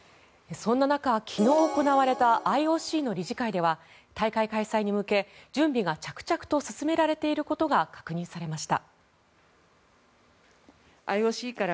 そんな中昨日行われたＩＯＣの理事会では大会開催に向け、準備が着々と進められていることが確認されました。